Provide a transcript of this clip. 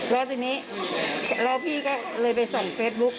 แล้วทีนี้แล้วพี่ก็เลยไปส่องเฟซบุ๊ค